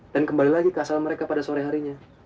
dan kembali lagi ke asal mereka pada sore harinya